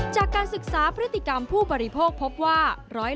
จากการศึกษาพฤติกรรมผู้บริโภคพบว่า